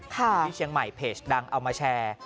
ที่เชียงใหม่เพจดังเอามาแชร์